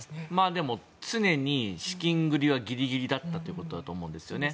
でも常に資金繰りはギリギリだったということだと思うんですね。